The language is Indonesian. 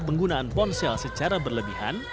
penggunaan ponsel secara berlebihan